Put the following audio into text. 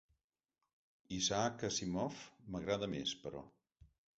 Isaac Assimov m'agrada més, però.